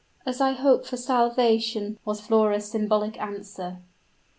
"As I hope for salvation!" was Flora's symbolic answer.